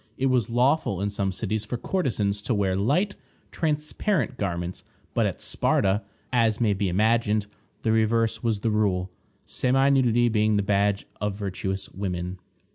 It was lawful in some cities for courtesans to wear light, transparent garments; but at Sparta, as may be imagined, the reverse was the rule, semi nudity being the badge of virtuous women.